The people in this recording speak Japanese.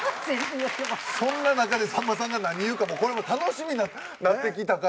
そんな中でさんまさんが何言うか楽しみになってきた感じ。